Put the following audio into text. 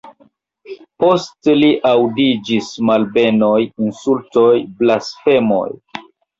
Post li aŭdiĝis malbenoj, insultoj, blasfemoj!